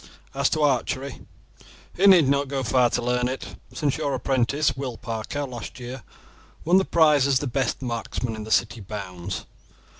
As to archery, he need not go far to learn it, since your apprentice, Will Parker, last year won the prize as the best marksman in the city bounds.